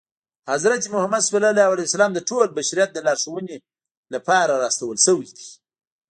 حضرت محمد ص د ټول بشریت د لارښودنې لپاره را استول شوی دی.